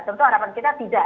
tentu harapan kita tidak